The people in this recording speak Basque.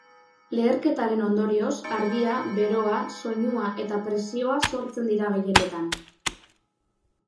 Leherketaren ondorioz argia, beroa, soinua eta presioa sortzen dira gehienetan.